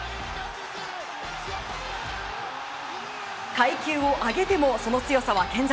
階級を上げてもその強さは健在。